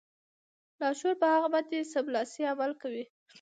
لاشعور په هغه باندې سملاسي عمل کوي